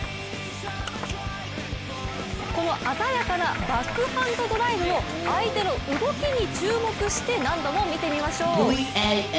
この鮮やかなバックハンドドライブを相手の動きに注目して何度も見てみましょう。